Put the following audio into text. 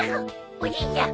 おじいちゃん。